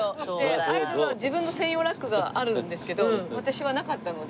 アイドルは自分の専用ラックがあるんですけど私はなかったので。